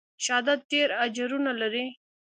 شهادت ډېر اجرونه لري.